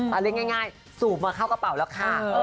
เอาเรียกง่ายสูบมาเข้ากระเป๋าแล้วค่ะ